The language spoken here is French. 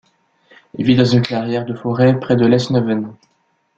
Il vit dans une clairière de la forêt près de Lesneven.